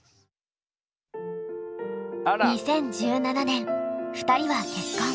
２０１７年２人は結婚。